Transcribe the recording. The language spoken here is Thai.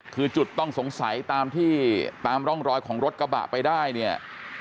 คือจุดต้องสงสัยตามที่ตามร่องรอยของรถกระบะไปได้เนี่ย